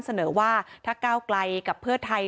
เสนอว่าถ้ากล้ากับเพศไทย